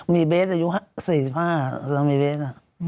มีเบสอายุ๔๕แล้วมีเบสอ่ะ